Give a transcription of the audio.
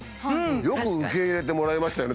よく受け入れてもらえましたよね